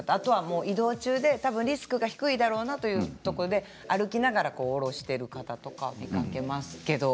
移動中でリスクが低いだろうなというところで歩きながら下ろしている方とか見かけますけれど。